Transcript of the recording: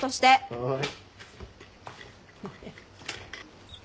はい。